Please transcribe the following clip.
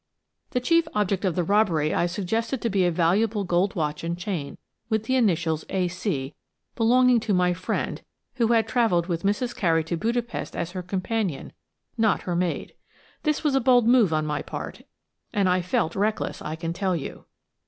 The chief object of the robbery I suggested to be a valuable gold watch and chain, with initials "A. C.," belonging to my friend, who had travelled with Mrs. Carey to Budapest as her companion, not her maid. This was a bold move on my part, and I felt reckless, I can tell you.